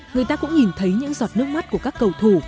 người ta cũng nhìn thấy những giọt nước mắt của các cầu thủ